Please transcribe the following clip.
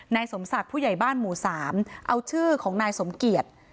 นายสมศักดิ์ผู้ใหญ่บ้านหมู่๓เอาชื่อของนายสมเกียจ